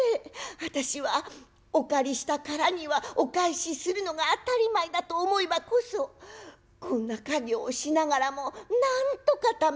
私はお借りしたからにはお返しするのが当たり前だと思えばこそこんな稼業をしながらもなんとかためることができたんです。